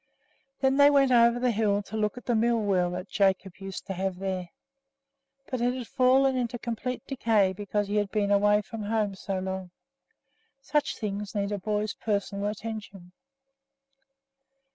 Then they went over to the hill to look at the mill wheel that Jacob used to have there; but it had fallen into complete decay because he had been away from home so long. Such things need a boy's personal attention.